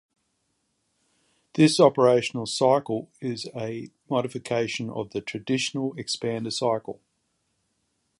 This operational cycle is a modification of the traditional expander cycle.